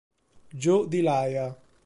Joe Delia